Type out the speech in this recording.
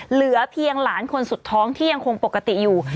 เหลือเพียงหลานคนสุดท้องที่ยังคงปกติอยู่